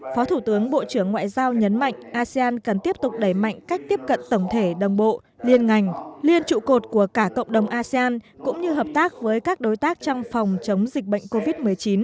phó thủ tướng bộ trưởng ngoại giao nhấn mạnh asean cần tiếp tục đẩy mạnh cách tiếp cận tổng thể đồng bộ liên ngành liên trụ cột của cả cộng đồng asean cũng như hợp tác với các đối tác trong phòng chống dịch bệnh covid một mươi chín